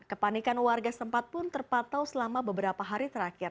kepanikan warga sempat pun terpatau selama beberapa hari terakhir